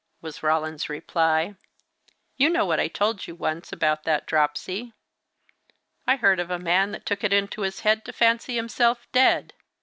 was Roland's reply. "You know what I told you once, about that dropsy. I heard of a man that took it into his head to fancy himself dead.